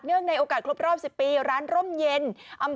เนื่องในโอกาสครบครอบสิบปีร้านร่มเย็นอ่า